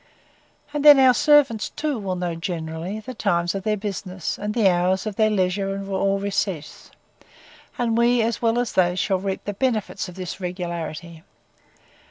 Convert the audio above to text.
And then our servants, too, will know, generally, the times of their business, and the hours of their leisure or recess; and we, as well as they, shall reap the benefits of this regularity.